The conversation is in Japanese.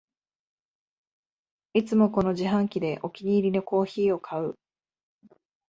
いつもこの自販機でお気に入りのコーヒーを買う